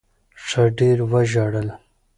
ښه ډېر وژړل.